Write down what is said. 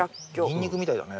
ニンニクみたいだね。